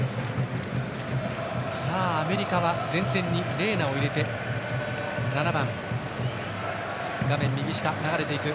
アメリカは前線に７番、レイナを入れている。